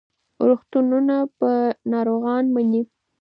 روغتونونه به ناروغان مني.